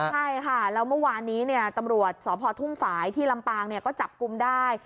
ใช่ค่ะแล้วเมื่อวานนี้ตำรวจสพทุ่งฝ่ายที่ลำปางก็จับกลุ่มได้